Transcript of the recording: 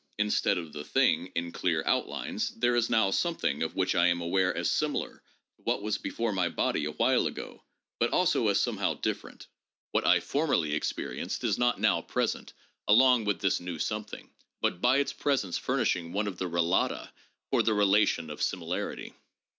Instead of the thing in clear outlines, there is now something of which I am aware as similar to what was before my body a while ago, but also as somehow different. What I formerly experienced is not now present along with this new something, and by its presence furnishing one of the ' relata ' for the relation of similarity.